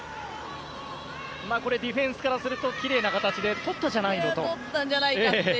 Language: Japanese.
これ、ディフェンスからするときれいな形でとったじゃないのと。